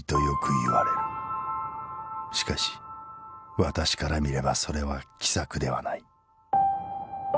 しかし私から見ればそれは奇策ではない。